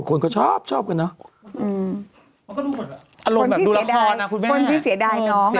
คนก็ชอบชอบกันเนอะเอาคนที่เสียดายคนที่เสียดายน้อง